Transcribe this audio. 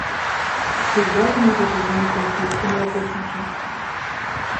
Ці звязана гэта з нейкім ціскам у апошні час?